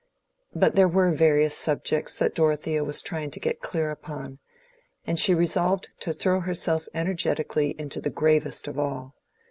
But there were various subjects that Dorothea was trying to get clear upon, and she resolved to throw herself energetically into the gravest of all.